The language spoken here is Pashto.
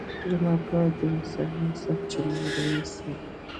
زما پلار د انساني سرچینو رییس و